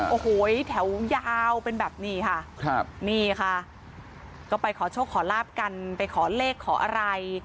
โอ้โหแถวยาวเป็นแบบนี้ค่ะครับนี่ค่ะก็ไปขอโชคขอลาบกันไปขอเลขขออะไร